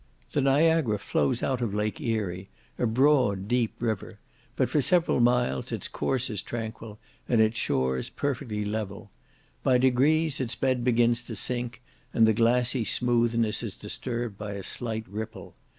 The Niagara flows out of Lake Erie, a broad, deep river; but for several miles its course is tranquil, and its shores perfectly level. By degrees its bed begins to sink, and the glassy smoothness is disturbed by a slight ripple.